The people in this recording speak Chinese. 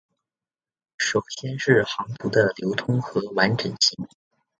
首先是航图的流通和完整性。